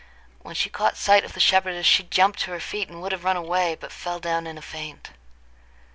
When she caught sight of the shepherdess, she jumped to her feet, and would have run away, but fell down in a faint.